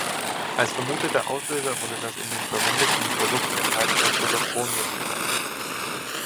Als vermuteter Auslöser wurde das in den verwendeten Produkten enthaltene Kolophonium benannt.